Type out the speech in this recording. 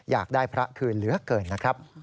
อยากได้พระคืนเหลือเกินนะครับ